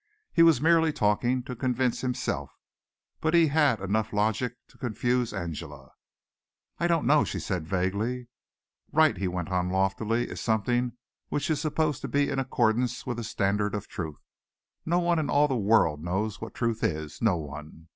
He was merely talking to convince himself, but he had enough logic to confuse Angela. "I don't know," she said vaguely. "Right," he went on loftily, "is something which is supposed to be in accordance with a standard of truth. Now no one in all the world knows what truth is, no one.